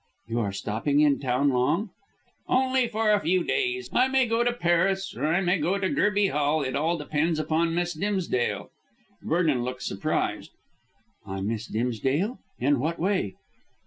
"You are stopping in town long?" "Only for a few days. I may go to Paris or I may return to Gerby Hall. It all depends upon Miss Dimsdale." Vernon looked surprised. "On Miss Dimsdale? In what way?"